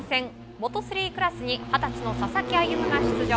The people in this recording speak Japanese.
Ｍｏｔｏ３クラスに二十歳の佐々木歩夢が出場。